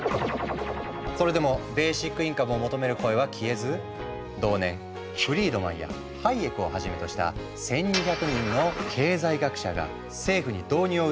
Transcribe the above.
それでもベーシックインカムを求める声は消えず同年フリードマンやハイエクをはじめとした１，２００人の経済学者が政府に導入を訴え